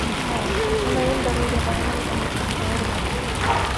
وَمَا يَنْبَغِي لِلرَّحْمَنِ أَنْ يَتَّخِذَ وَلَدًا